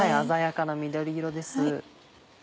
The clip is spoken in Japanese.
鮮やかな緑色です。